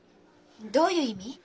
どういう意味？